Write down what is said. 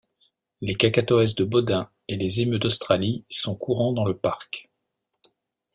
Les Cacatoès de Baudins et les Émeus d'Australie sont courants dans le parc.